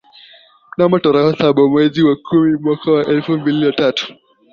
Mnamo tarehe saba mwezi wa kumi mwaka wa elfu mbili na tatu